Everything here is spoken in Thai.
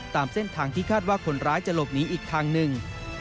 ตามเส้นทางที่คาดว่าคนร้ายจะหลบหนีอีกทางหนึ่ง